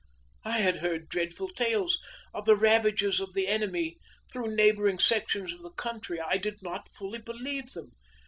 I had heard dreadful tales of the ravages of the enemy through neighboring sections of the country. I did not fully believe them.